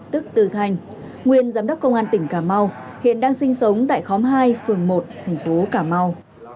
tức từ thành nguyên giám đốc công an tỉnh cà mau hiện đang sinh sống tại khóm hai phường một thành phố cà mau